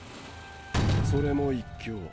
それも一興。